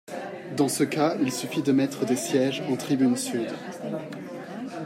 Dans ce cas, il suffit de mettre des sièges en tribune Sud.